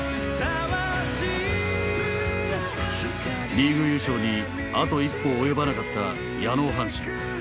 リーグ優勝にあと一歩及ばなかった矢野阪神。